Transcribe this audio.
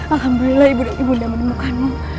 alhamdulillah ibu dan ibu tidak menemukanmu